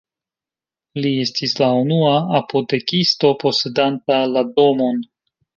Li estis la unua apotekisto posedanta la domon.